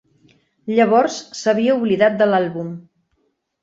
Llavors s'havia oblidat de l'àlbum.